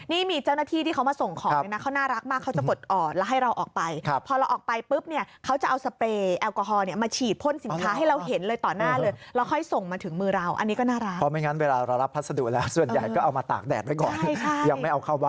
นี่มีเจ้าหน้าที่ที่เขามาส่งของ